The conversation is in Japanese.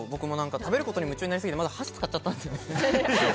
食べることに夢中になりすぎて、箸使っちゃった。